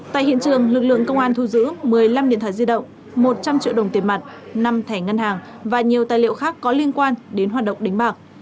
tại hiện trường lực lượng công an thu giữ một mươi năm điện thoại di động một trăm linh triệu đồng tiền mặt năm thẻ ngân hàng và nhiều tài liệu khác có liên quan đến hoạt động đánh bạc